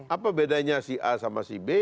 apa bedanya si a sama si b